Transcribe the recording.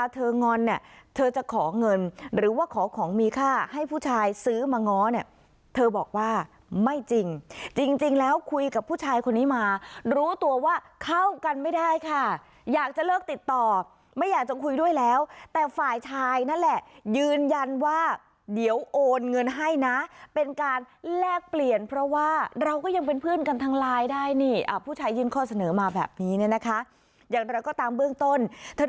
งอนเนี่ยเธอจะขอเงินหรือว่าขอของมีค่าให้ผู้ชายซื้อมาง้อเนี่ยเธอบอกว่าไม่จริงจริงแล้วคุยกับผู้ชายคนนี้มารู้ตัวว่าเข้ากันไม่ได้ค่ะอยากจะเลิกติดต่อไม่อยากจะคุยด้วยแล้วแต่ฝ่ายชายนั่นแหละยืนยันว่าเดี๋ยวโอนเงินให้นะเป็นการแลกเปลี่ยนเพราะว่าเราก็ยังเป็นเพื่อนกันทางไลน์ได้นี่ผู้ชายยื่นข้อเสนอมาแบบนี้เนี่ยนะคะ